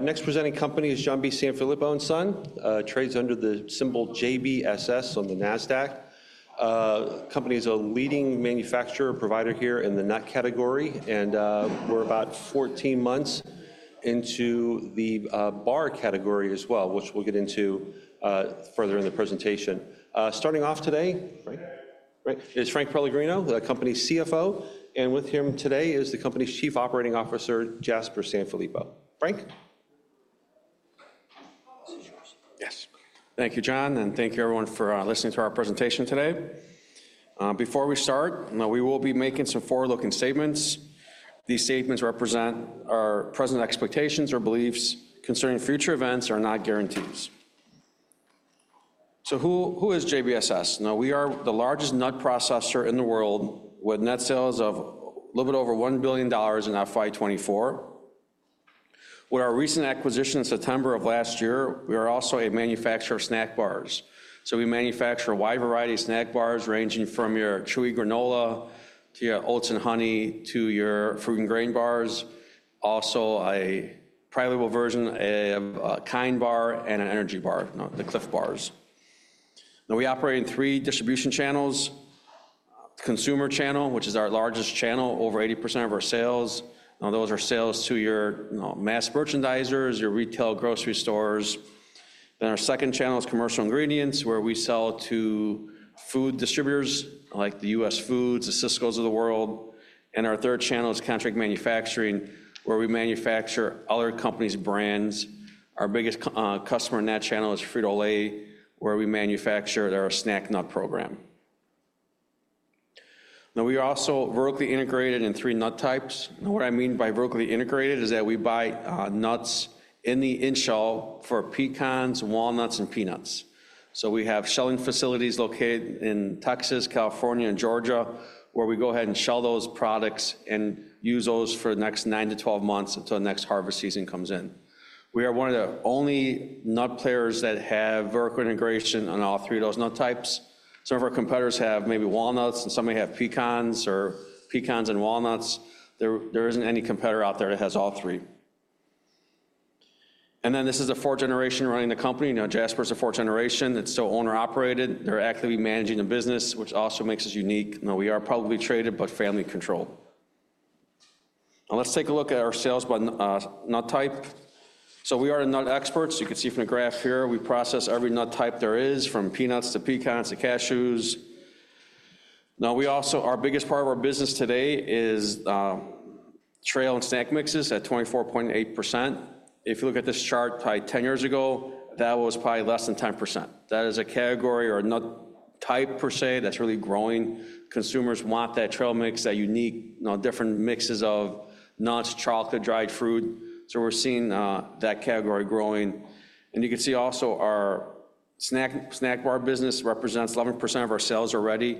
Next presenting company is John B. Sanfilippo & Son. Trades under the symbol JBSS on the NASDAQ. The company is a leading manufacturer provider here in the nut category, and we're about 14 months into the bar category as well, which we'll get into further in the presentation. Starting off today, right? Right. It's Frank Pellegrino, the company's CFO, and with him today is the company's Chief Operating Officer, Jasper Sanfilippo. Frank? Yes. Thank you, John, and thank you, everyone, for listening to our presentation today. Before we start, we will be making some forward-looking statements. These statements represent our present expectations or beliefs concerning future events, are not guarantees. So who is JBSS? Now, we are the largest nut processor in the world with net sales of a little bit over $1 billion in FY 2024. With our recent acquisition in September of last year, we are also a manufacturer of snack bars. So we manufacture a wide variety of snack bars ranging from your chewy granola to your Oats & Honey to your fruit and grain bars. Also, a private label version of a KIND bar and an energy bar, the Clif bars. Now, we operate in three distribution channels: the consumer channel, which is our largest channel, over 80% of our sales. Now, those are sales to your mass merchandisers, your retail grocery stores. Then our second channel is commercial ingredients, where we sell to food distributors like US Foods, the Sysco's of the world. And our third channel is contract manufacturing, where we manufacture other companies' brands. Our biggest customer in that channel is Frito-Lay, where we manufacture their snack nut program. Now, we are also vertically integrated in three nut types. Now, what I mean by vertically integrated is that we buy nuts in-shell for pecans, walnuts, and peanuts. So we have shelling facilities located in Texas, California, and Georgia, where we go ahead and shell those products and use those for the next nine to 12 months until the next harvest season comes in. We are one of the only nut players that have vertical integration on all three of those nut types. Some of our competitors have maybe walnuts, and some may have pecans or pecans and walnuts. There isn't any competitor out there that has all three, and then this is the fourth generation running the company. Now, Jasper's the fourth generation. It's still owner-operated. They're actively managing the business, which also makes us unique. Now, we are publicly traded, but family-controlled. Now, let's take a look at our sales by nut type, so we are a nut expert, so you can see from the graph here, we process every nut type there is, from peanuts to pecans to cashews. Now, our biggest part of our business today is trail and snack mixes at 24.8%. If you look at this chart from 10 years ago, that was probably less than 10%. That is a category or a nut type per se that's really growing. Consumers want that trail mix, that unique, different mixes of nuts, chocolate, dried fruit, so we're seeing that category growing, and you can see also our snack bar business represents 11% of our sales already.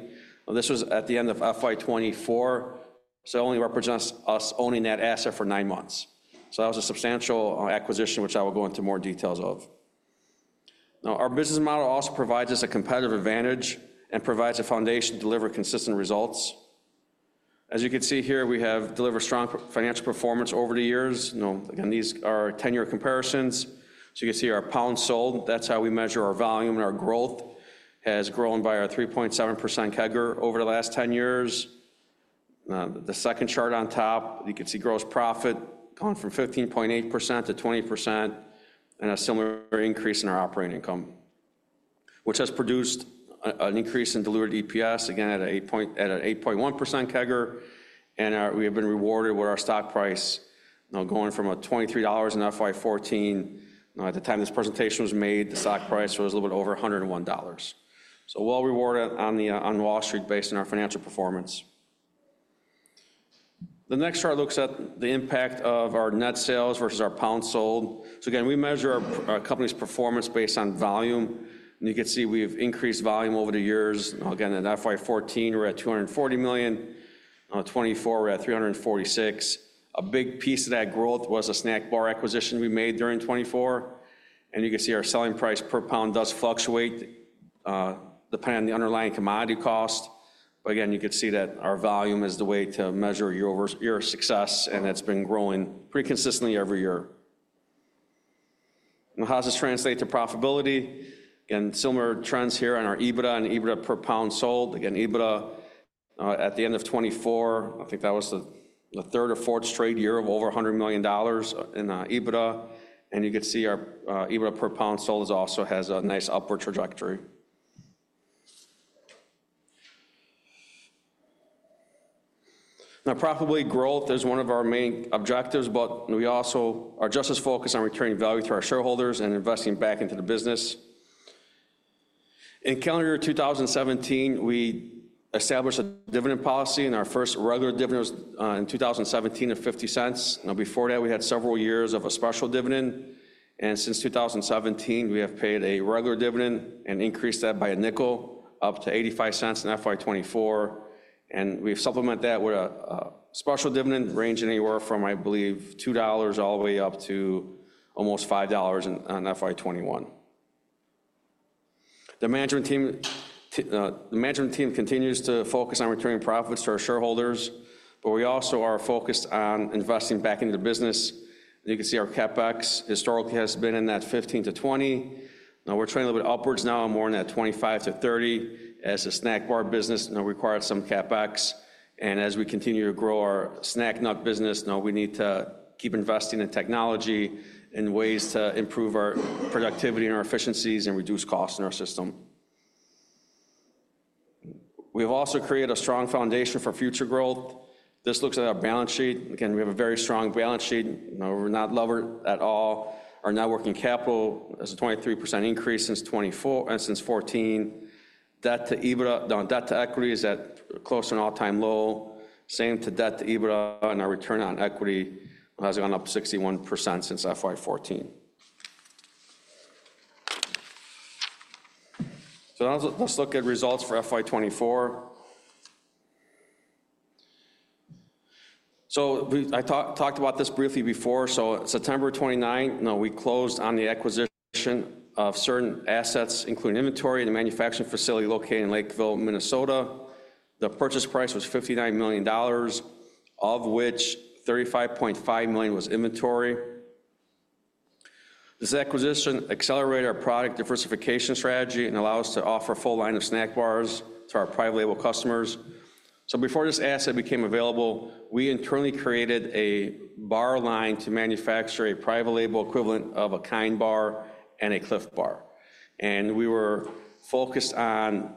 Now, this was at the end of FY 2024, so it only represents us owning that asset for nine months, so that was a substantial acquisition, which I will go into more details of. Now, our business model also provides us a competitive advantage and provides a foundation to deliver consistent results. As you can see here, we have delivered strong financial performance over the years. Now, again, these are 10-year comparisons, so you can see our pound sold, that's how we measure our volume and our growth, has grown by our 3.7% CAGR over the last 10 years. Now, the second chart on top, you can see gross profit gone from 15.8% to 20% and a similar increase in our operating income, which has produced an increase in delivered EPS, again, at an 8.1% CAGR, and we have been rewarded with our stock price now going from $23 in FY14. Now, at the time this presentation was made, the stock price was a little bit over $101, so well-rewarded on Wall Street based on our financial performance. The next chart looks at the impact of our net sales versus our pound sold. So again, we measure our company's performance based on volume, and you can see we've increased volume over the years. Now, again, in FY 2014, we're at $240 million. Now, 2024, we're at $346. A big piece of that growth was the snack bar acquisition we made during 2024. You can see our selling price per pound does fluctuate depending on the underlying commodity cost. Again, you can see that our volume is the way to measure your success, and it's been growing pretty consistently every year. Now, how does this translate to profitability? Again, similar trends here on our EBITDA and EBITDA per pound sold. Again, EBITDA at the end of 2024, I think that was the third or fourth straight year of over $100 million in EBITDA. You can see our EBITDA per pound sold also has a nice upward trajectory. Now, profitability growth is one of our main objectives, but we also are just as focused on returning value to our shareholders and investing back into the business. In calendar year 2017, we established a dividend policy and our first regular dividend was in 2017 of $0.50. Now, before that, we had several years of a special dividend. And since 2017, we have paid a regular dividend and increased that by a nickel up to $0.85 in FY 2024. And we've supplemented that with a special dividend ranging anywhere from, I believe, $2 all the way up to almost $5 in FY 2021. The management team continues to focus on returning profits to our shareholders, but we also are focused on investing back into the business. You can see our CapEx historically has been in that 15-20. Now, we're trying a little bit upwards now and more in that 25-30 as the snack bar business now requires some CapEx. And as we continue to grow our snack nut business, now we need to keep investing in technology and ways to improve our productivity and our efficiencies and reduce costs in our system. We have also created a strong foundation for future growth. This looks at our balance sheet. Again, we have a very strong balance sheet. We're not levered at all. Our net working capital is a 23% increase since 2014. Debt to equity is at close to an all-time low. Debt to EBITDA and our return on equity has gone up 61% since FY 2014. Let's look at results for FY 2024. I talked about this briefly before. September 29, now we closed on the acquisition of certain assets, including inventory and a manufacturing facility located in Lakeville, Minnesota. The purchase price was $59 million, of which $35.5 million was inventory. This acquisition accelerated our product diversification strategy and allowed us to offer a full line of snack bars to our private label customers. So before this asset became available, we internally created a bar line to manufacture a private label equivalent of a KIND bar and a Clif Bar. And we were focused on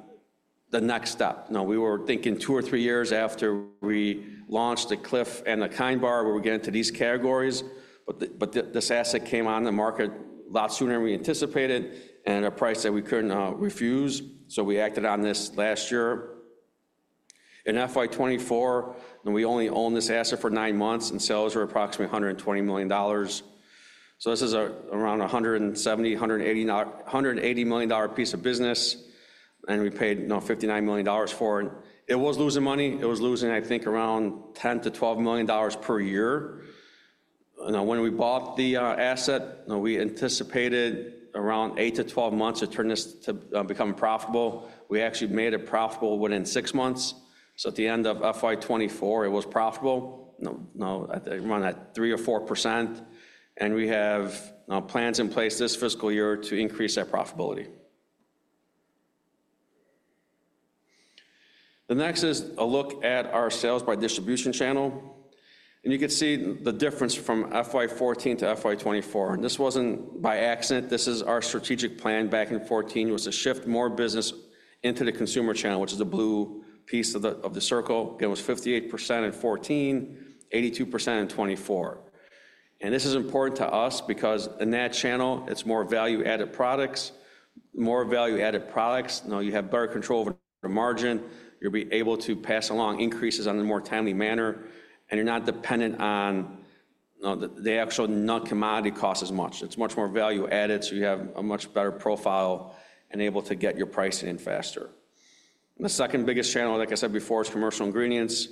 the next step. Now, we were thinking two or three years after we launched the Clif and the KIND bar, we were getting to these categories. But this asset came on the market a lot sooner than we anticipated and at a price that we couldn't refuse. So we acted on this last year. In FY 2024, we only owned this asset for nine months and sales were approximately $120 million. So this is around a $170-$180 million piece of business. And we paid $59 million for it. It was losing money. It was losing, I think, around $10-$12 million per year. Now, when we bought the asset, we anticipated around eight to 12 months to turn this to become profitable. We actually made it profitable within six months. So at the end of FY 2024, it was profitable. Now, I think we're at 3 or 4%. And we have plans in place this fiscal year to increase that profitability. The next is a look at our sales by distribution channel. And you can see the difference from FY 2014 to FY 2024. And this wasn't by accident. This is our strategic plan back in 2014. It was to shift more business into the consumer channel, which is the blue piece of the circle. Again, it was 58% in 2014, 82% in 2024. And this is important to us because in that channel, it's more value-added products. More value-added products. Now, you have better control over the margin. You'll be able to pass along increases in a more timely manner. And you're not dependent on the actual nut commodity cost as much. It's much more value-added. So you have a much better profile and able to get your pricing in faster. The second biggest channel, like I said before, is commercial ingredients.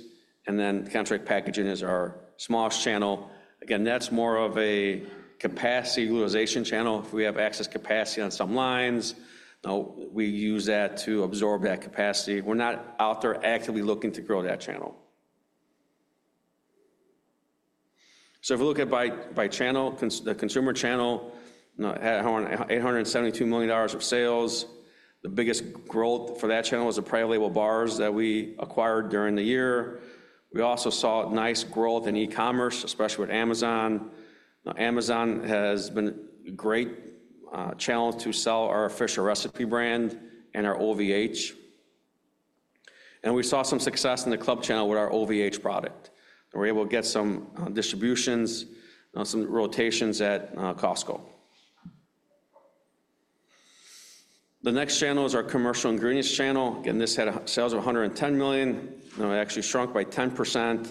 And then contract packaging is our smallest channel. Again, that's more of a capacity utilization channel. If we have excess capacity on some lines, now we use that to absorb that capacity. We're not out there actively looking to grow that channel. So if we look at by channel, the consumer channel, now, $872 million of sales. The biggest growth for that channel was the private label bars that we acquired during the year. We also saw nice growth in e-commerce, especially with Amazon. Now, Amazon has been a great channel to sell our Fisher Recipe brand and our OVH. And we saw some success in the club channel with our OVH product. We were able to get some distributions, some rotations at Costco. The next channel is our commercial ingredients channel. Again, this had sales of $110 million. Now, it actually shrunk by 10%.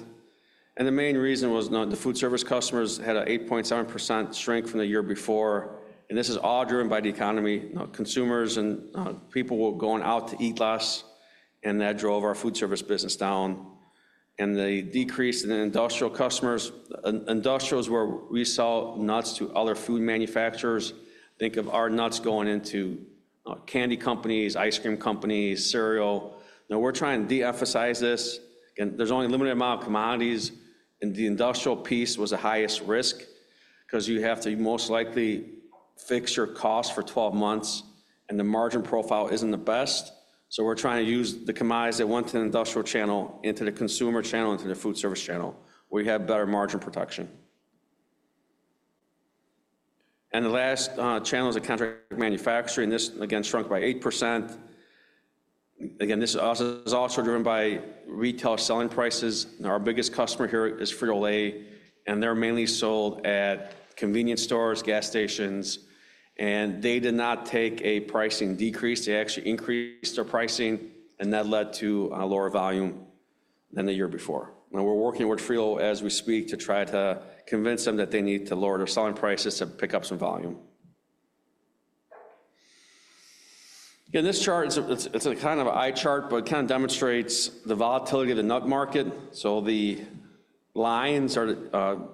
And the main reason was the food service customers had an 8.7% shrink from the year before. And this is all driven by the economy. Now, consumers and people were going out to eat less, and that drove our food service business down. And the decrease in industrial customers, industrials where we sell nuts to other food manufacturers, think of our nuts going into candy companies, ice cream companies, cereal. Now, we're trying to de-emphasize this. Again, there's only a limited amount of commodities, and the industrial piece was the highest risk because you have to most likely fix your cost for 12 months, and the margin profile isn't the best. So we're trying to use the commodities that went to the industrial channel into the consumer channel, into the food service channel, where you have better margin protection. And the last channel is a contract manufacturing. This, again, shrunk by 8%. Again, this is also driven by retail selling prices. Now, our biggest customer here is Frito-Lay, and they're mainly sold at convenience stores, gas stations. And they did not take a pricing decrease. They actually increased their pricing, and that led to lower volume than the year before. Now, we're working with Frito as we speak to try to convince them that they need to lower their selling prices to pick up some volume. Again, this chart, it's a kind of eye chart, but it kind of demonstrates the volatility of the nut market. So the lines are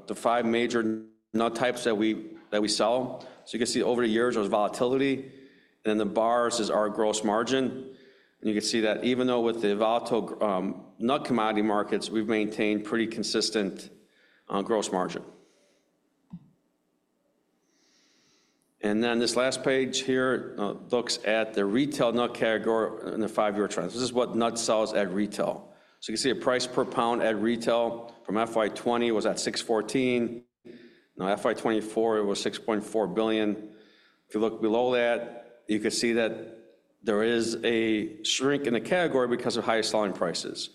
the five major nut types that we sell. So you can see over the years there's volatility. And then the bars is our gross margin. And you can see that even though with the volatile nut commodity markets, we've maintained pretty consistent gross margin. And then this last page here looks at the retail nut category in the five-year trend. This is what nut sells at retail. So you can see the price per pound at retail from FY 2020 was at $6.14. Now, FY 2024, it was $6.4 billion. If you look below that, you can see that there is a shrink in the category because of higher selling prices.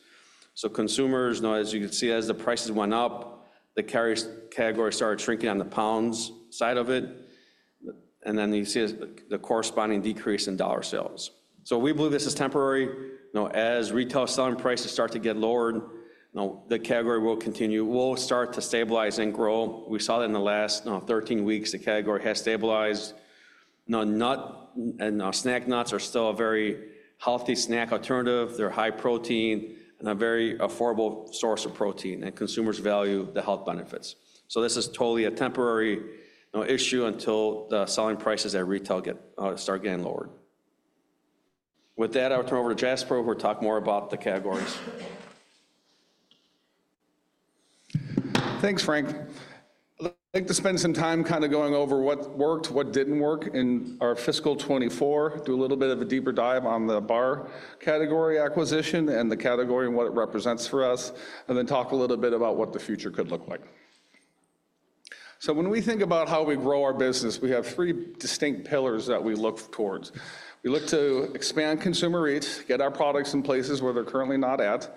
So consumers, now, as you can see, as the prices went up, the nut category started shrinking on the pounds side of it. And then you see the corresponding decrease in dollar sales. So we believe this is temporary. Now, as retail selling prices start to get lowered, the category will continue, will start to stabilize and grow. We saw that in the last 13 weeks, the category has stabilized. Now, nut and snack nuts are still a very healthy snack alternative. They're high protein and a very affordable source of protein. And consumers value the health benefits. So this is totally a temporary issue until the selling prices at retail start getting lowered. With that, I'll turn over to Jasper who will talk more about the categories. Thanks, Frank. I'd like to spend some time kind of going over what worked, what didn't work in our fiscal 2024, do a little bit of a deeper dive on the bar category acquisition and the category and what it represents for us, and then talk a little bit about what the future could look like. So when we think about how we grow our business, we have three distinct pillars that we look towards. We look to expand consumer reach, get our products in places where they're currently not at,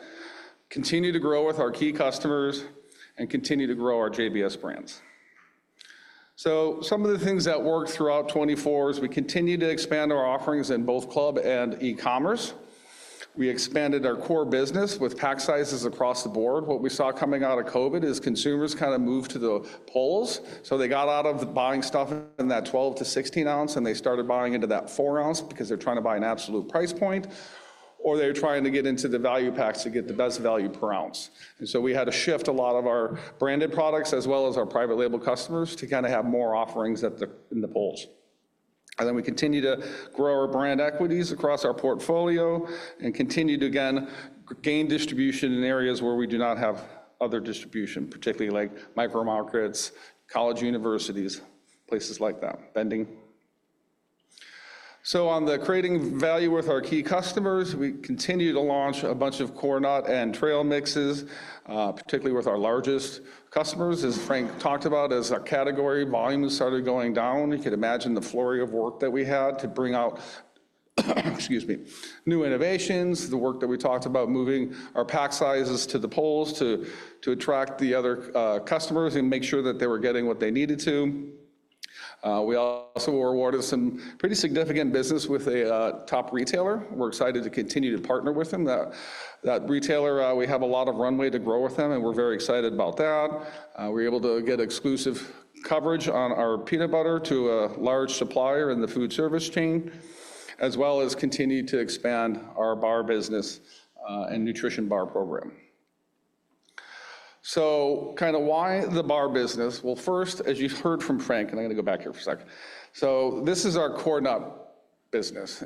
continue to grow with our key customers, and continue to grow our JBS brands. So some of the things that worked throughout 2024 is we continued to expand our offerings in both club and e-commerce. We expanded our core business with pack sizes across the board. What we saw coming out of COVID is consumers kind of moved to the poles. So they got out of buying stuff in that 12- to 16-ounce, and they started buying into that 4-ounce because they're trying to buy an absolute price point, or they're trying to get into the value packs to get the best value per ounce. And so we had to shift a lot of our branded products as well as our private label customers to kind of have more offerings in the pouches. And then we continue to grow our brand equities across our portfolio and continue to, again, gain distribution in areas where we do not have other distribution, particularly like micro markets, college universities, places like that, vending. So, on creating value with our key customers, we continued to launch a bunch of core nut and trail mixes, particularly with our largest customers, as Frank talked about, as our category volume started going down. You could imagine the flurry of work that we had to bring out, excuse me, new innovations, the work that we talked about moving our pack sizes to the poles to attract the other customers and make sure that they were getting what they needed to. We also awarded some pretty significant business with a top retailer. We're excited to continue to partner with them. That retailer, we have a lot of runway to grow with them, and we're very excited about that. We're able to get exclusive coverage on our peanut butter to a large supplier in the food service chain, as well as continue to expand our bar business and nutrition bar program. So kind of why the bar business? Well, first, as you've heard from Frank, and I'm going to go back here for a second. So this is our core nut business.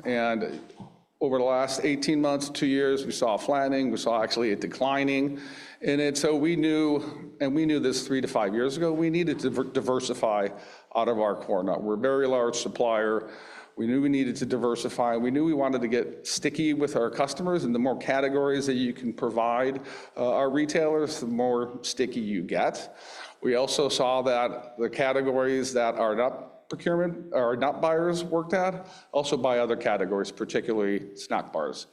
Over the last 18 months, two years, we saw flattening. We saw actually a declining in it. We knew, and we knew this three to five years ago, we needed to diversify out of our core nut. We're a very large supplier. We knew we needed to diversify. We knew we wanted to get sticky with our customers. The more categories that you can provide our retailers, the more sticky you get. We also saw that the categories that our nut procurement, our nut buyers worked at, also buy other categories, particularly snack bars.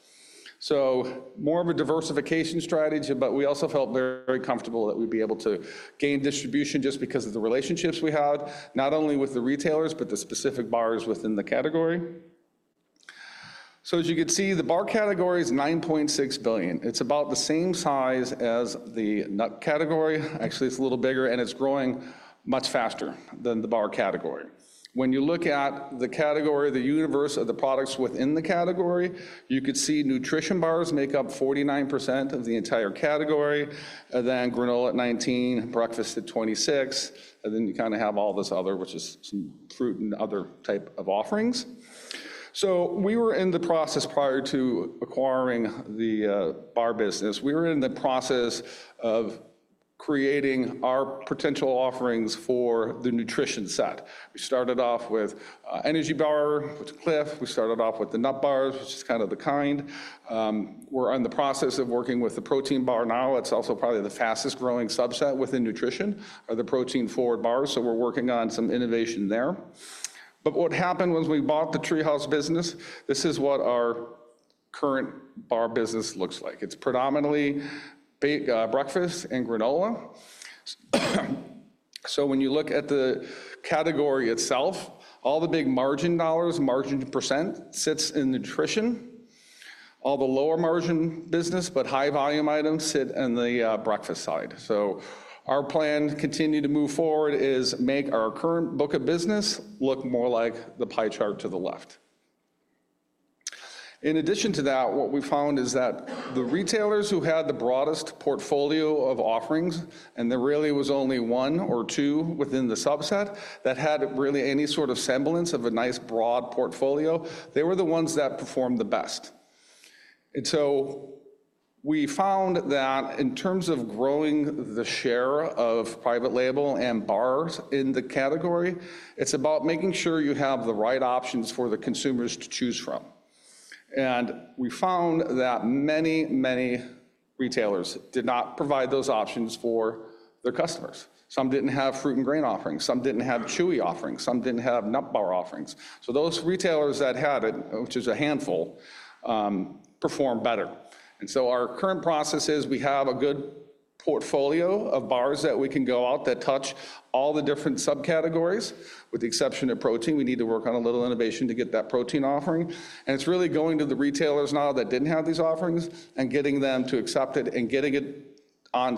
More of a diversification strategy, but we also felt very comfortable that we'd be able to gain distribution just because of the relationships we had, not only with the retailers, but the specific bars within the category. As you can see, the bar category is $9.6 billion. It's about the same size as the nut category. Actually, it's a little bigger, and it's growing much faster than the bar category. When you look at the category, the universe of the products within the category, you could see nutrition bars make up 49% of the entire category, and then granola at $19, breakfast at $26, and then you kind of have all this other, which is some fruit and other type of offerings. So we were in the process prior to acquiring the bar business. We were in the process of creating our potential offerings for the nutrition set. We started off with energy bar, which is Clif. We started off with the nut bars, which is kind of the KIND. We're in the process of working with the protein bar now. It's also probably the fastest growing subset within nutrition are the protein-forward bars. So we're working on some innovation there. But what happened was we bought the TreeHouse business. This is what our current bar business looks like. It's predominantly breakfast and granola. So when you look at the category itself, all the big margin dollars, margin percent sits in nutrition. All the lower margin business, but high volume items sit in the breakfast side. So our plan to continue to move forward is to make our current book of business look more like the pie chart to the left. In addition to that, what we found is that the retailers who had the broadest portfolio of offerings, and there really was only one or two within the subset that had really any sort of semblance of a nice broad portfolio, they were the ones that performed the best. And so we found that in terms of growing the share of private label and bars in the category, it's about making sure you have the right options for the consumers to choose from. And we found that many, many retailers did not provide those options for their customers. Some didn't have fruit and grain offerings. Some didn't have chewy offerings. Some didn't have nut bar offerings. So those retailers that had it, which is a handful, performed better. And so our current process is we have a good portfolio of bars that we can go out that touch all the different subcategories. With the exception of protein, we need to work on a little innovation to get that protein offering. And it's really going to the retailers now that didn't have these offerings and getting them to accept it and getting it on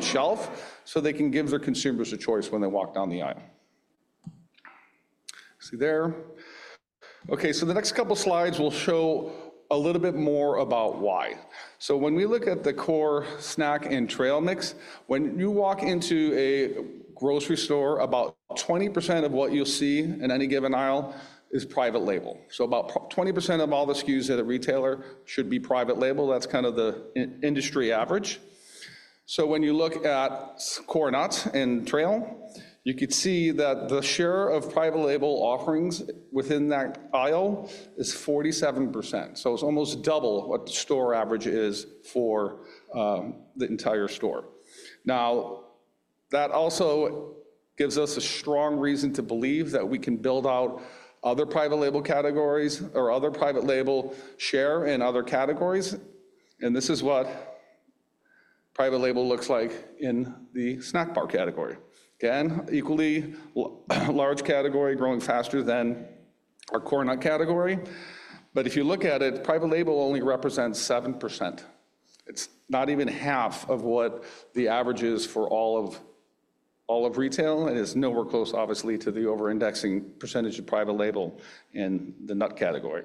shelf so they can give their consumers a choice when they walk down the aisle. See there? Okay, so the next couple of slides will show a little bit more about why. So when we look at the core snack and trail mix, when you walk into a grocery store, about 20% of what you'll see in any given aisle is private label. So about 20% of all the SKUs at a retailer should be private label. That's kind of the industry average. So when you look at core nuts and trail, you could see that the share of private label offerings within that aisle is 47%. So it's almost double what the store average is for the entire store. Now, that also gives us a strong reason to believe that we can build out other private label categories or other private label share in other categories. And this is what private label looks like in the snack bar category. Again, equally large category growing faster than our core nut category. But if you look at it, private label only represents 7%. It's not even half of what the average is for all of retail. It is nowhere close, obviously, to the over-indexing percentage of private label in the nut category.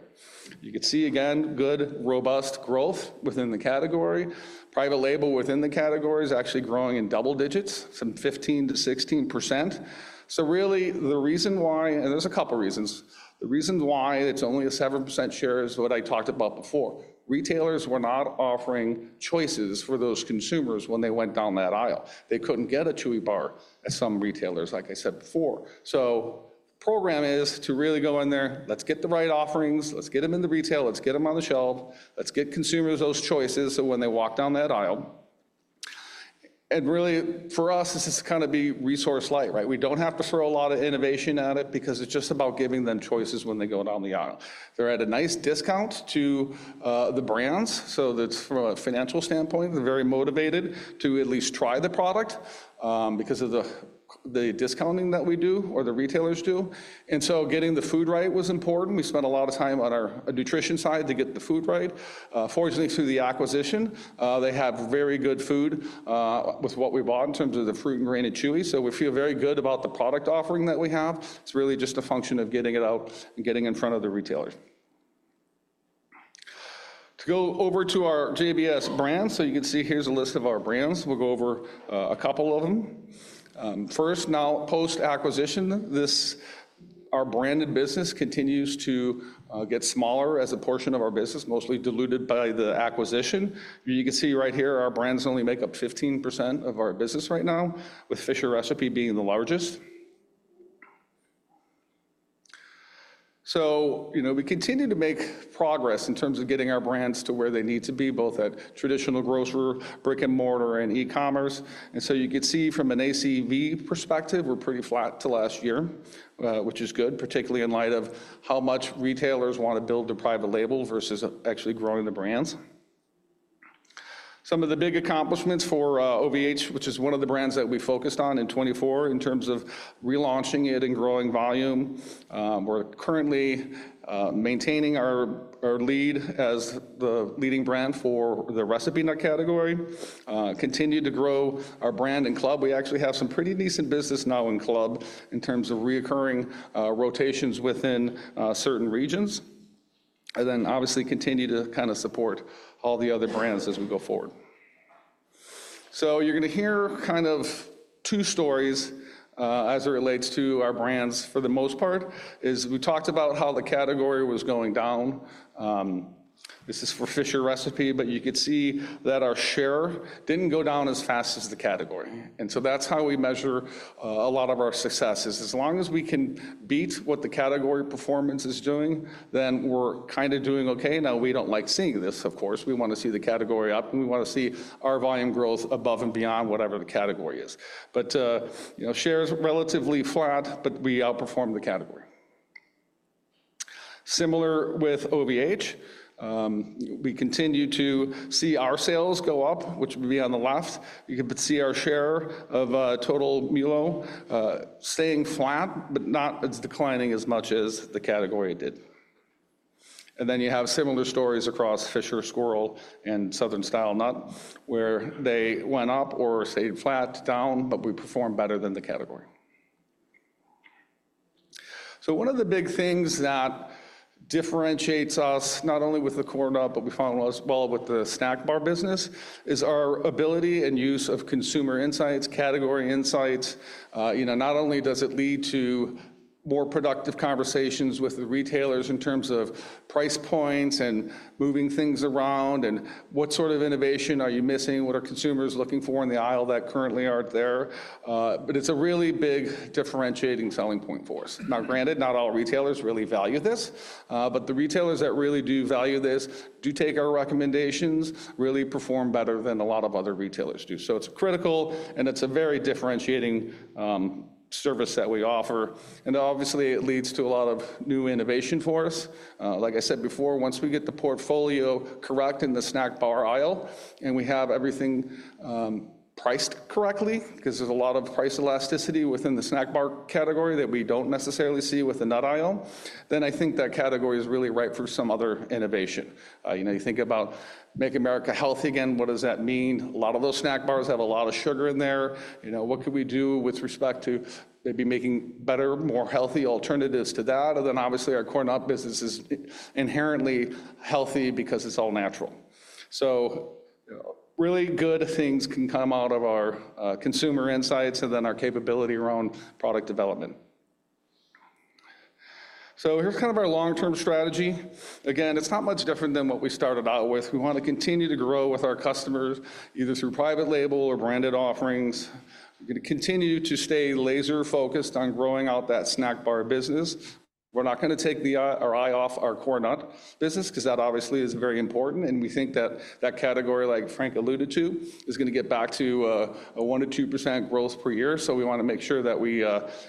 You could see, again, good, robust growth within the category. Private label within the category is actually growing in double digits, some 15%-16%. So really, the reason why, and there's a couple of reasons, the reason why it's only a 7% share is what I talked about before. Retailers were not offering choices for those consumers when they went down that aisle. They couldn't get a chewy bar at some retailers, like I said before, so the program is to really go in there, let's get the right offerings, let's get them in the retail, let's get them on the shelf, let's get consumers those choices so when they walk down that aisle, and really, for us, this is to kind of be resource light, right? We don't have to throw a lot of innovation at it because it's just about giving them choices when they go down the aisle. They're at a nice discount to the brands, so that's from a financial standpoint, they're very motivated to at least try the product because of the discounting that we do or the retailers do, and so getting the food right was important. We spent a lot of time on our nutrition side to get the food right. Fortunately, through the acquisition, they have very good food with what we bought in terms of the fruit and grain and chewy. So we feel very good about the product offering that we have. It's really just a function of getting it out and getting in front of the retailers. To go over to our JBS brands, so you can see here's a list of our brands. We'll go over a couple of them. First, now post-acquisition, our branded business continues to get smaller as a portion of our business, mostly diluted by the acquisition. You can see right here, our brands only make up 15% of our business right now, with Fisher Recipe being the largest. So we continue to make progress in terms of getting our brands to where they need to be, both at traditional grocery, brick and mortar, and e-commerce. And so you could see from an ACV perspective, we're pretty flat to last year, which is good, particularly in light of how much retailers want to build the private label versus actually growing the brands. Some of the big accomplishments for OVH, which is one of the brands that we focused on in 2024 in terms of relaunching it and growing volume. We're currently maintaining our lead as the leading brand for the recipe nut category. Continue to grow our brand and club. We actually have some pretty decent business now in club in terms of recurring rotations within certain regions. And then obviously continue to kind of support all the other brands as we go forward. So you're going to hear kind of two stories as it relates to our brands for the most part. We talked about how the category was going down. This is for Fisher Recipe, but you could see that our share didn't go down as fast as the category. And so that's how we measure a lot of our successes. As long as we can beat what the category performance is doing, then we're kind of doing okay. Now, we don't like seeing this, of course. We want to see the category up, and we want to see our volume growth above and beyond whatever the category is. But share is relatively flat, but we outperform the category. Similar with OVH, we continue to see our sales go up, which would be on the left. You can see our share of total MULO staying flat, but not as declining as much as the category did. And then you have similar stories across Fisher, Squirrel, and Southern Style Nuts, where they went up or stayed flat down, but we performed better than the category. So one of the big things that differentiates us, not only with the core nut, but we found as well with the snack bar business, is our ability and use of consumer insights, category insights. Not only does it lead to more productive conversations with the retailers in terms of price points and moving things around, and what sort of innovation are you missing? What are consumers looking for in the aisle that currently aren't there? But it's a really big differentiating selling point for us. Now, granted, not all retailers really value this, but the retailers that really do value this do take our recommendations, really perform better than a lot of other retailers do. So it's critical, and it's a very differentiating service that we offer. And obviously, it leads to a lot of new innovation for us. Like I said before, once we get the portfolio correct in the snack bar aisle, and we have everything priced correctly, because there's a lot of price elasticity within the snack bar category that we don't necessarily see with the nut aisle, then I think that category is really right for some other innovation. You think about Make America Healthy again. What does that mean? A lot of those snack bars have a lot of sugar in there. What can we do with respect to maybe making better, more healthy alternatives to that? And then obviously, our core nut business is inherently healthy because it's all natural. So really good things can come out of our consumer insights and then our capability around product development. So here's kind of our long-term strategy. Again, it's not much different than what we started out with. We want to continue to grow with our customers, either through private label or branded offerings. We're going to continue to stay laser-focused on growing out that snack bar business. We're not going to take our eye off our core nut business because that obviously is very important. And we think that that category, like Frank alluded to, is going to get back to a 1%-2% growth per year. So we want to make sure that we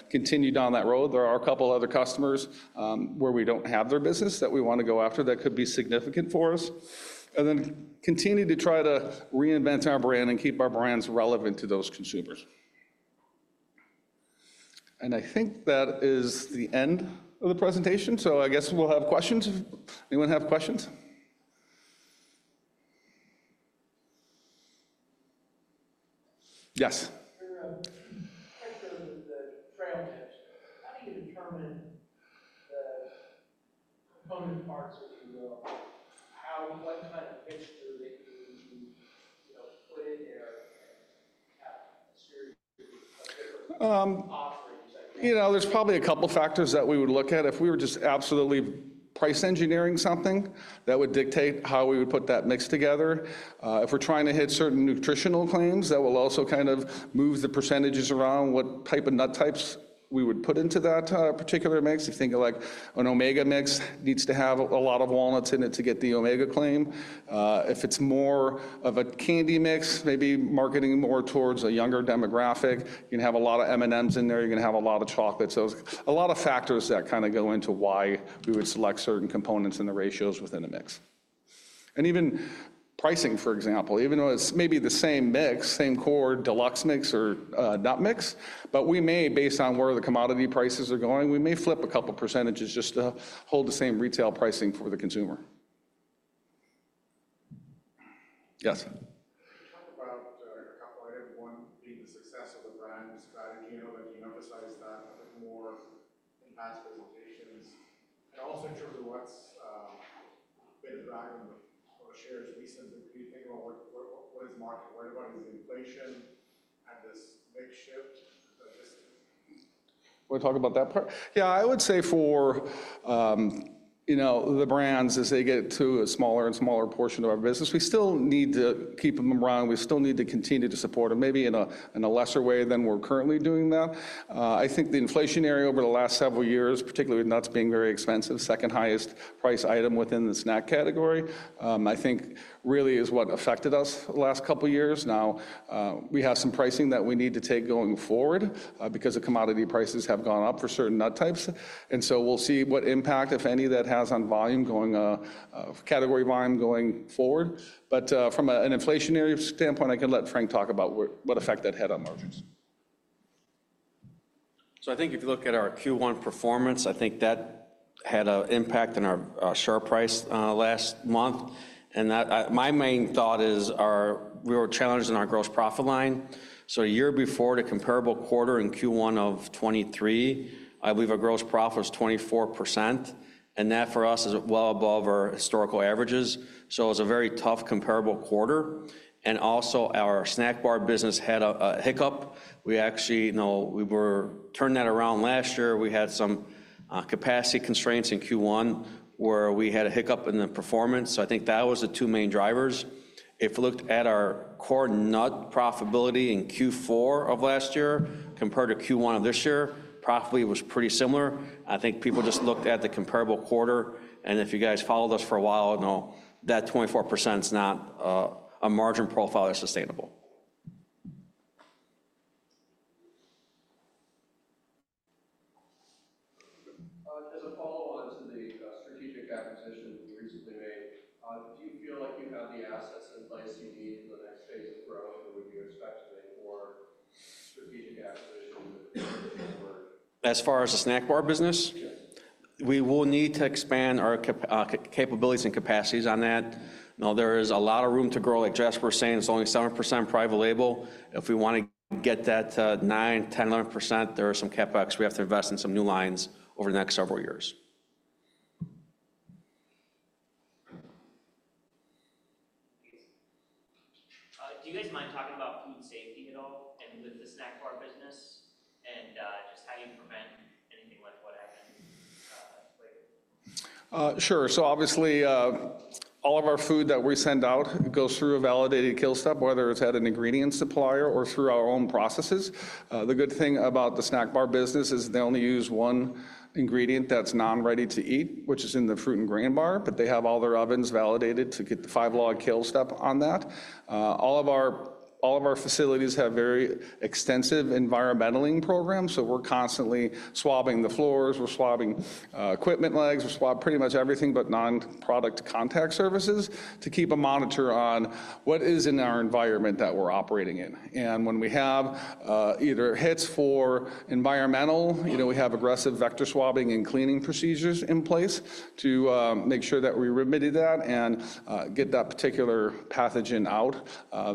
continue down that road. There are a couple of other customers where we don't have their business that we want to go after that could be significant for us. And then continue to try to reinvent our brand and keep our brands relevant to those consumers. And I think that is the end of the presentation. So I guess we'll have questions. Anyone have questions? Yes. For the trail mix, how do you determine the component parts of the mix? What kind of mixture that you would put in there and have a series of different offerings? There's probably a couple of factors that we would look at. If we were just absolutely price engineering something, that would dictate how we would put that mix together. If we're trying to hit certain nutritional claims, that will also kind of move the percentages around what type of nut types we would put into that particular mix. If you think of like an omega mix, it needs to have a lot of walnuts in it to get the omega claim. If it's more of a candy mix, maybe marketing more towards a younger demographic, you're going to have a lot of M&Ms in there. You're going to have a lot of chocolates. There's a lot of factors that kind of go into why we would select certain components in the ratios within a mix. Even pricing, for example, even though it's maybe the same mix, same core deluxe mix or nut mix, but we may, based on where the commodity prices are going, we may flip a couple of percentages just to hold the same retail pricing for the consumer. Yes. You talked about a couple of items, one being the success of the brand strategy. I know that you emphasized that a bit more in past presentations. Also in terms of what's been the drag on the shares recently, can you think about what is market? What about is the inflation at this mix shift? We'll talk about that part. Yeah, I would say for the brands, as they get to a smaller and smaller portion of our business, we still need to keep them around. We still need to continue to support them, maybe in a lesser way than we're currently doing that. I think the inflation over the last several years, particularly with nuts being very expensive, second highest price item within the snack category, I think really is what affected us the last couple of years. Now, we have some pricing that we need to take going forward because the commodity prices have gone up for certain nut types. And so we'll see what impact, if any, that has on volume going forward, category volume going forward. But from an inflationary standpoint, I can let Frank talk about what effect that had on margins. So I think if you look at our Q1 performance, I think that had an impact on our share price last month. And my main thought is our real challenge in our gross profit line. So a year before, the comparable quarter in Q1 of 2023, I believe our gross profit was 24%. And that for us is well above our historical averages. So it was a very tough comparable quarter. And also our snack bar business had a hiccup. We actually turned that around last year. We had some capacity constraints in Q1 where we had a hiccup in the performance. So I think that was the two main drivers. If we looked at our core nut profitability in Q4 of last year compared to Q1 of this year, profitability was pretty similar. I think people just looked at the comparable quarter. And if you guys followed us for a while, that 24% is not a margin profile that's sustainable. As a follow-up to the strategic acquisition that you recently made, do you feel like you have the assets in place you need in the next phase of growing that would be expected for strategic acquisition within the Q4? As far as the snack bar business? We will need to expand our capabilities and capacities on that. There is a lot of room to grow. Like Jasper was saying, it's only 7% private label. If we want to get that 9%, 10%, 11%, there are some CapEx. We have to invest in some new lines over the next several years. Do you guys mind talking about food safety at all and with the snack bar business and just how you prevent anything like what happened later? Sure. Obviously, all of our food that we send out goes through a validated kill step, whether it's at an ingredient supplier or through our own processes. The good thing about the snack bar business is they only use one ingredient that's non-ready-to-eat, which is in the fruit and grain bar, but they have all their ovens validated to get the five-log kill step on that. All of our facilities have very extensive environmental programs. We're constantly swabbing the floors. We're swabbing equipment legs. We swab pretty much everything but non-product contact surfaces to keep a monitor on what is in our environment that we're operating in. When we have either environmental hits, we have aggressive vector swabbing and cleaning procedures in place to make sure that we remedy that and get that particular pathogen out.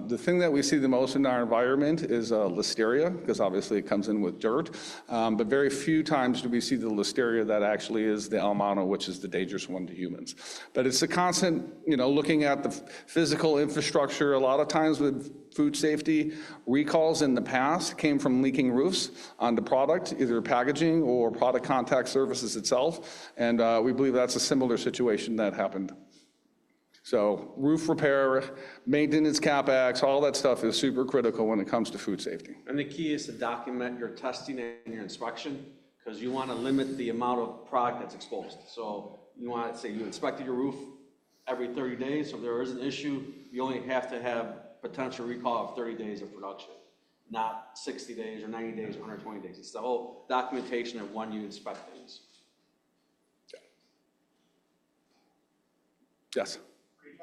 The thing that we see the most in our environment is Listeria because obviously it comes in with dirt. But very few times do we see the Listeria that actually is the L. mono, which is the dangerous one to humans. But it's a constant looking at the physical infrastructure. A lot of times with food safety, recalls in the past came from leaking roofs onto the product, either packaging or product contact surfaces itself. And we believe that's a similar situation that happened. So roof repair, maintenance, CapEx, all that stuff is super critical when it comes to food safety. And the key is to document your testing and your inspection because you want to limit the amount of product that's exposed. So you want to say you inspected your roof every 30 days. So if there is an issue, you only have to have potential recall of 30 days of production, not 60 days or 90 days or 120 days. It's the whole documentation of when you inspect things. Yes. Can you talk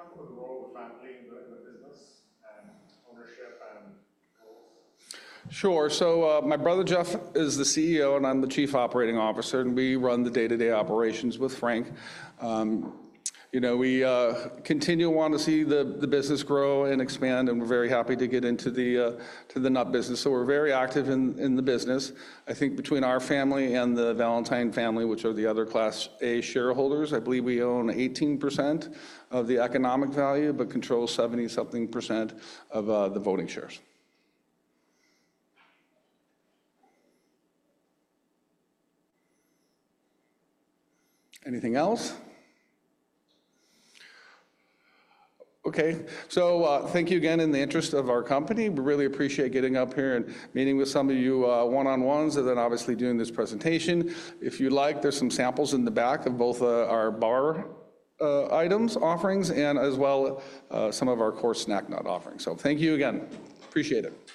about the role of the family in the business and ownership and roles? Sure. So my brother, Jeff, is the CEO, and I'm the Chief Operating Officer, and we run the day-to-day operations with Frank. We continue to want to see the business grow and expand, and we're very happy to get into the nut business. So we're very active in the business. I think between our family and the Valentine family, which are the other Class A shareholders, I believe we own 18% of the economic value, but control 70-something% of the voting shares. Anything else? Okay. So thank you again in the interest of our company. We really appreciate getting up here and meeting with some of you one-on-ones and then obviously doing this presentation. If you'd like, there's some samples in the back of both our bar items, offerings, and as well some of our core snack nut offerings. So thank you again. Appreciate it.